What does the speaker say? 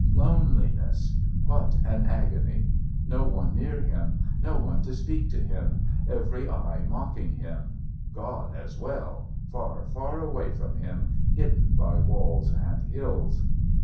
Loneliness! What an agony! No one near him, no one to speak to him, every eye mocking him God as well, far, far away from him, hidden by walls and hills.